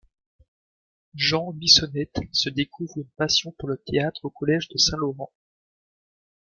Jean Bissonnette se découvre une passion pour le théâtre au Collège de Saint-Laurent.